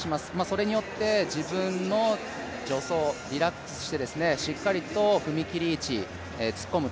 それによって自分の助走、リラックスしてしっかりと踏み切り位置突っ込む